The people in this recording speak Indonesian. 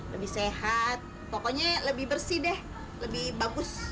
lebih sehat pokoknya lebih bersih deh lebih bagus